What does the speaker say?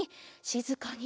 しずかに。